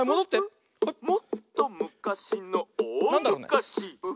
「もっとむかしのおおむかし」